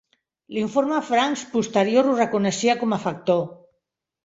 L'informe Franks posterior ho reconeixia com a factor.